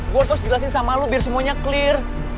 gue harus jelasin sama lo biar semuanya clear